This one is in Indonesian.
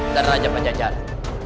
dan raja pajajara